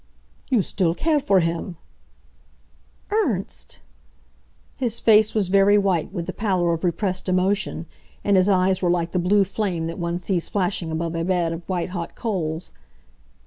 "You still care for him!" "Ernst!" His face was very white with the pallor of repressed emotion, and his eyes were like the blue flame that one sees flashing above a bed of white hot coals.